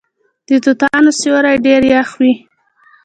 د توتانو سیوری ډیر یخ وي.